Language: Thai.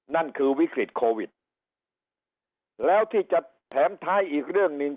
นั่นคือวิกฤตโควิดแล้วที่จะแถมท้ายอีกเรื่องหนึ่ง